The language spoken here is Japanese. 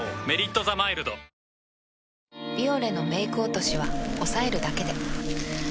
「メリットザマイルド」「ビオレ」のメイク落としはおさえるだけで。